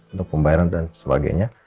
untuk pembayaran dan sebagainya